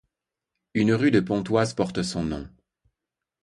Une rue de Pontoise porte son nom.